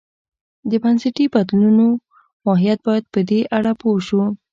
د بنسټي بدلونو ماهیت باید په دې اړه پوه شو.